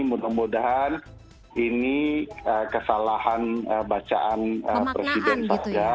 mudah mudahan ini kesalahan bacaan presiden saja